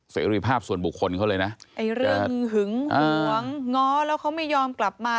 เสรีภาพส่วนบุคคลเขาเลยนะไอ้เรื่องหึงหวงง้อแล้วเขาไม่ยอมกลับมา